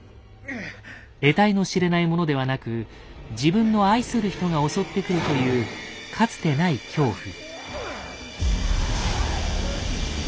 えたいの知れないものではなく自分の愛する人が襲ってくるというかつてない恐怖。